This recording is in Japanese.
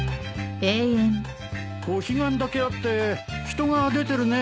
お彼岸だけあって人が出てるね。